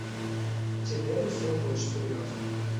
Цяпер усё больш сур'ёзна.